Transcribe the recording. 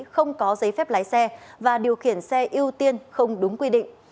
không có giấy phép lái xe và điều khiển xe ưu tiên không đúng quy định